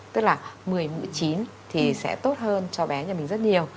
tức là một mươi mũi chín thì sẽ tốt hơn cho bé nhà mình rất nhiều